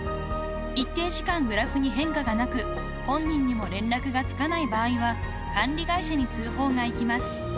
［一定時間グラフに変化がなく本人にも連絡がつかない場合は管理会社に通報が行きます］